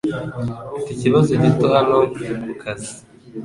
Mfite ikibazo gito hano kukazi.